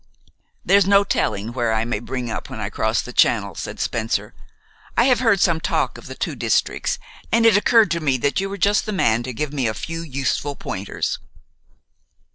"There's no telling where I may bring up when I cross the Channel," said Spencer. "I have heard some talk of the two districts, and it occurred to me that you were just the man to give me a few useful pointers."